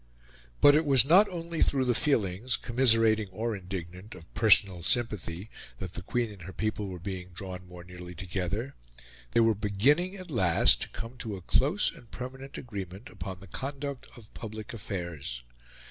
But it was not only through the feelings commiserating or indignant of personal sympathy that the Queen and her people were being drawn more nearly together; they were beginning, at last, to come to a close and permanent agreement upon the conduct of public affairs.